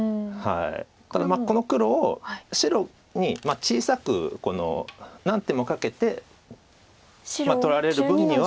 ただこの黒を白に小さく何手もかけて取られる分には。